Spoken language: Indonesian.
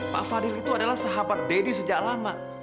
pak fadil itu adalah sahabat deddy sejak lama